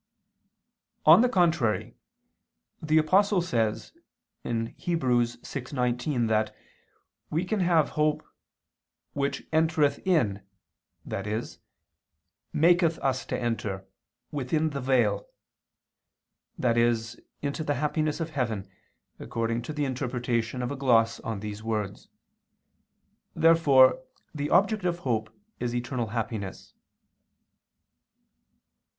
On the contrary, The Apostle says (Heb. 6:19) that we have hope "which entereth in," i.e. maketh us to enter ... "within the veil," i.e. into the happiness of heaven, according to the interpretation of a gloss on these words. Therefore the object of hope is eternal happiness.